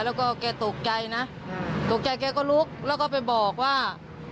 แล้วก็แกตกใจนะตกใจแกก็ลุกแล้วก็ไปบอกว่า